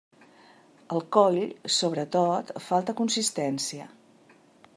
Al coll sobretot, falta consistència.